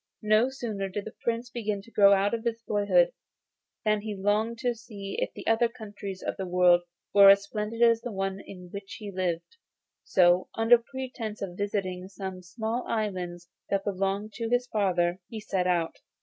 No sooner did the Prince begin to grow out of boyhood than he longed to see if the other countries of the world were as splendid as the one in which he lived. So, under pretence of visiting some small islands that belonged to his father, he set out.